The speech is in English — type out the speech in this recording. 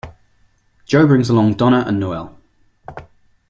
Joe brings along Donna and Noelle.